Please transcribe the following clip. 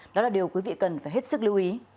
đó là điều quý vị cần phải hết sức lưu ý